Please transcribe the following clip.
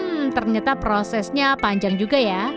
hmm ternyata prosesnya panjang juga ya